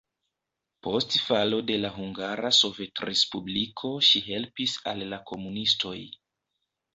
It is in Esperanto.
Post falo de la hungara sovetrespubliko ŝi helpis al la komunistoj.